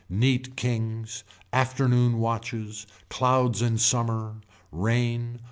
Neat kings. Afternoon watches. Clouds in summer. Rain.